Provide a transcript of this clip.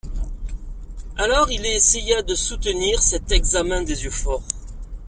Alors il essaya de soutenir cet examen des yeux forts.